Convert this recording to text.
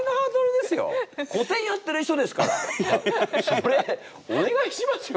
それお願いしますよ